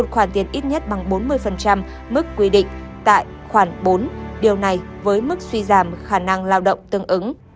khoản tiền ít nhất bằng bốn mươi mức quy định tại khoản bốn điều này với mức suy giảm khả năng lao động tương ứng